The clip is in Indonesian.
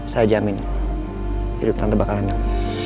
saya jamin hidup tante bakalan enak